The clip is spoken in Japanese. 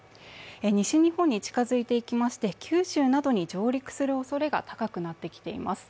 西日本に近付いていきまして九州などに上陸するおそれが高くなってきています。